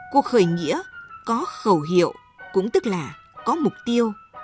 cuộc khởi nghĩa có khẩu hiệu cũng tức là có mục tiêu